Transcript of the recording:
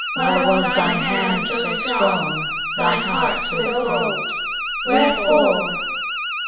Why was thine hand so strong, thine heart so bold? Wherefore.